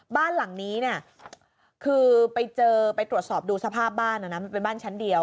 บ้านหลังนี้เนี่ยคือไปเจอไปตรวจสอบดูสภาพบ้านนะมันเป็นบ้านชั้นเดียว